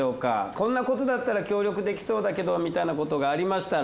こんなことだったら協力できそうだけどみたいなことがありましたら。